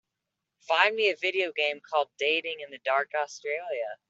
Find me a video game called Dating in the Dark Australia